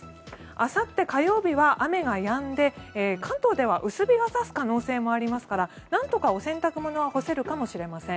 あさって、火曜日は雨がやんで関東では薄日が差す可能性もありますからなんとか、お洗濯物は干せるかもしれません。